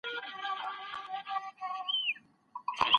څوک د سالمو زده کړو چاپیریال برابروي؟